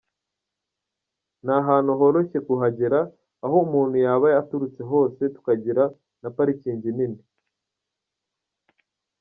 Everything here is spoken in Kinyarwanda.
Ni ahantu horoshye kuhagera aho umuntu yaba aturutse hose tukagira na parikingi nini.